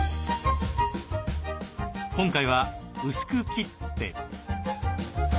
今回は薄く切って。